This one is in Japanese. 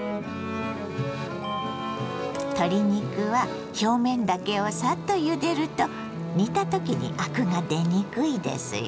鶏肉は表面だけをサッとゆでると煮た時にアクが出にくいですよ。